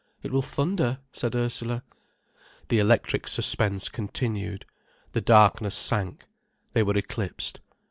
"It will thunder," said Ursula. The electric suspense continued, the darkness sank, they were eclipsed.